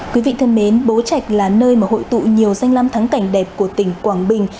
quý vị thân mến bố trạch là nơi mà hội tụ nhiều danh lam thắng cảnh đẹp của tỉnh quảng bình